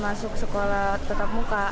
masuk sekolah tetap muka